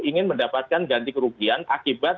ingin mendapatkan ganti kerugian akibat